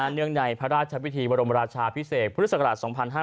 เนื่องในพระราชวิธีวารมราชาพิเศษพฤศกรรษ๒๕๖๒